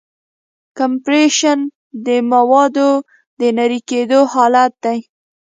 کمپریشن د موادو د نری کېدو حالت دی.